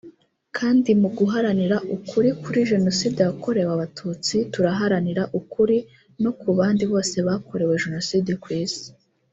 kandi mu guharanira ukuri kuri Jenoside yakorewe Abatutsi turaharanira ukuri no ku bandi bose bakorewe jenoside ku Isi